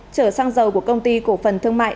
trở sang dầu của công ty cổ phần thương mại